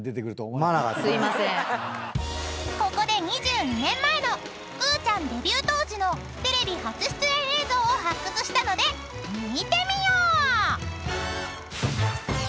［ここで２２年前のくぅちゃんデビュー当時のテレビ初出演映像を発掘したので見てみよう！］